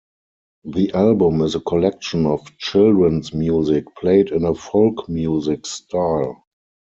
The album is a collection of children's music played in a folk music style.